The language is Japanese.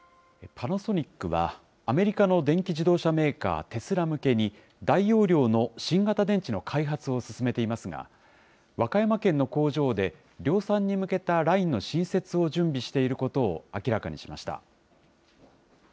パナソニックは、アメリカの電気自動車メーカー、テスラ向けに、大容量の新型電池の開発を進めていますが、和歌山県の工場で量産に向けたラインの新設を準備していることを明らかにしました。